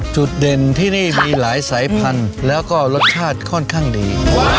จุดเด่นที่นี่มีหลายสายพันธุ์แล้วก็รสชาติค่อนข้างดี